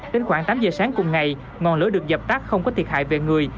tính khoảng tám h sáng cùng ngày ngọn lửa được dập tắt không có thiệt hại về người